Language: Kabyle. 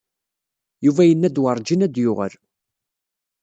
Yuba yenna-d werǧin ad d-yuɣal.